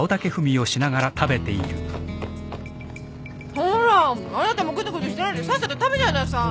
ほらあなたもぐずぐずしてないでさっさと食べちゃいなさい。